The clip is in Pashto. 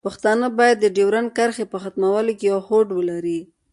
پښتانه باید د ډیورنډ کرښې په ختمولو کې یو هوډ ولري.